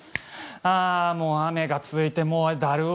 ああ、もう雨が続いて、だる重。